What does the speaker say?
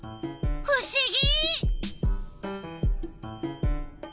ふしぎ！